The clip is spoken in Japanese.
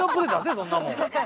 そんなもん。